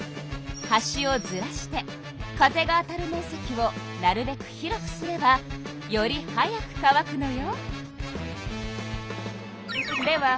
端をずらして風が当たる面積をなるべく広くすればより早く乾くのよ。